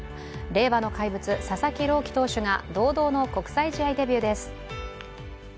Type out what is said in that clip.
令和の怪物、佐々木朗希投手が堂々の国際試合デビューです。